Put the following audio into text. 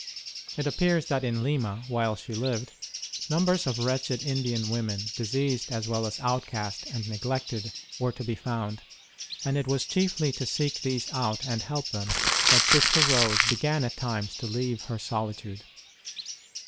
It appears that in Lima, while she lived, numbers of wretched Indian women, diseased as well as outcast and neglected, were to be found ; and it was chiefly to seek these out and help them that Sister Rose began at times to leave her 122 ST. ROSE OF LIMA solitude.